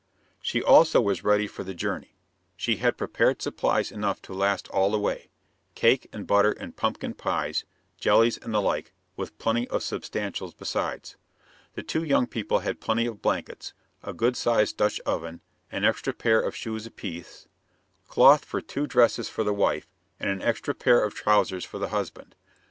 She also was ready for the journey. She had prepared supplies enough to last all the way, cake and butter and pumpkin pies, jellies and the like, with plenty of substantials besides. The two young people had plenty of blankets, a good sized Dutch oven, an extra pair of shoes apiece, cloth for two dresses for the wife, and an extra pair of trousers for the husband.